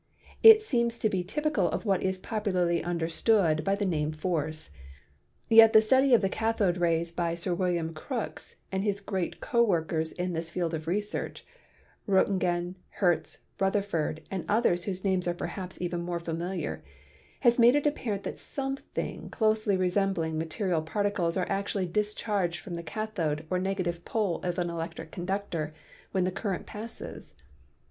It seems to be typical of what is popularly under stood by the name force. Yet the study of the cathode rays by Sir William Crookes and his great co workers in this field of research — Roentgen, Hertz, Rutherford and others whose names are perhaps even more familiar — has made it apparent that something closely resembling ma terial particles are actually discharged from the cathode or negative pole of an electric conductor when the current passes.